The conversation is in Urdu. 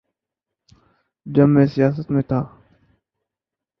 جب میں سیاست میں تھا۔